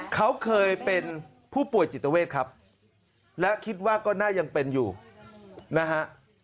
เขาเคยเป็นผู้ป่วยจิตเวทครับและคิดว่าก็น่ายังเป็นอยู่นะฮะ